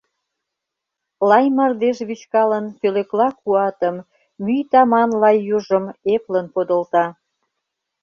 Лай мардеж вӱчкалын Пӧлекла куатым — Мӱй таман лай южым Эплын подылта.